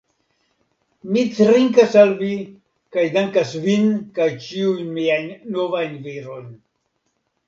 Mi trinkas al vi, kaj dankas vin kaj ĉiujn miajn novajn virojn.